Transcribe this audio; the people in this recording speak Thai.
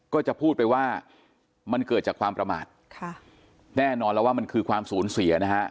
ก็จะพูดไปว่ามันเกิดจากความประมาทค่ะแน่นอนแล้วว่ามันคือความสูญเสียนะฮะ